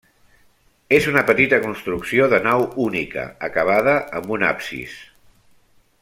És una petita construcció de nau única, acabada amb un absis.